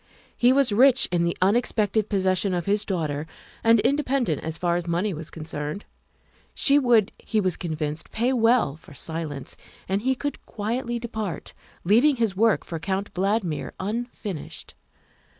He was rich in the unexpected possession of his daughter and independent as far as money was con cerned. She would, he was convinced, pay well for silence, and he could quietly depart, leaving his work for Count Valdmir unfinished.